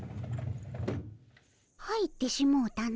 入ってしもうたの。